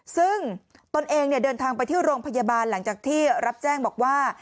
ซึ่งตนเองเดินทางไปที่โรงพยาบาลหลังจากที่รับแจ้งบอกว่า